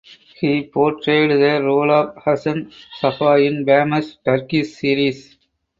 He portrayed the role of Hasan Sabbah in famous Turkish series